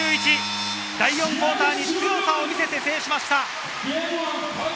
第４クオーターで強さを見せて制しました。